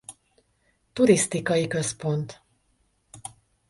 Turisztikai központ.